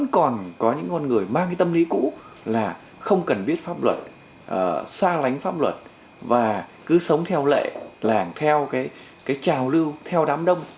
còn có những con người mang cái tâm lý cũ là không cần biết pháp luật xa lánh pháp luật và cứ sống theo lệ làng theo cái trào lưu theo đám đông